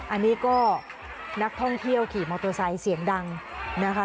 อันนี้ก็นักท่องเที่ยวขี่มอเตอร์ไซค์เสียงดังนะคะ